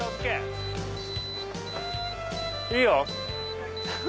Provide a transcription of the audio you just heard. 「いいよ」